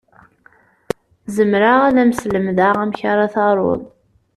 Zemreɣ ad m-slemdeɣ amek ara taruḍ.